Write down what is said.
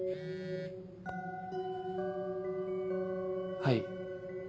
はい。